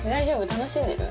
楽しんでる？